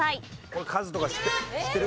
これカズとか知ってる？